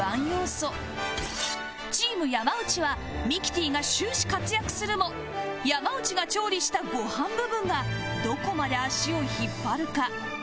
チーム山内はミキティが終始活躍するも山内が調理したご飯部分がどこまで足を引っ張るか